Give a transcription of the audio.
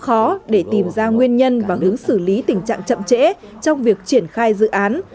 khó để tìm ra nguyên nhân và hướng xử lý tình trạng chậm trễ trong việc triển khai dự án